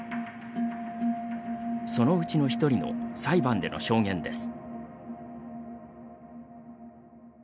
そのうちの１人の裁判での証言です。